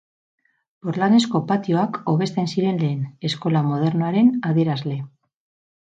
Porlanezko patioak hobesten ziren lehen, eskola modernoaren adierazle.